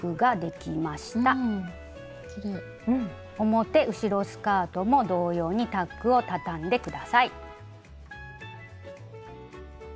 表後ろスカートも同様にタックをたたんで下さい。